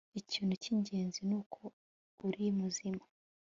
ikintu cyingenzi nuko uri muzima